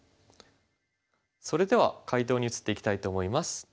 それでは解答に移っていきたいと思います。